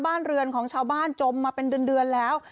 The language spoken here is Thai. บ้านเรือนของชาวบ้านจมมาเป็นเดือนแล้ว